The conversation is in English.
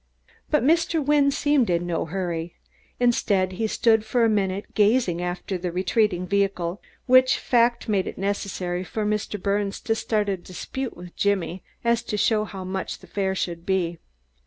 But Mr. Wynne seemed in no hurry; instead he stood still for a minute gazing after the retreating vehicle, which fact made it necessary for Mr. Birnes to start a dispute with Jimmy as to just how much the fare should be.